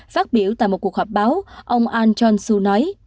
phát biểu tại một cuộc họp báo ông ahn jong soo nói